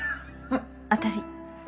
当たり。